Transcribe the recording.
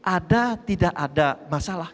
ada tidak ada masalah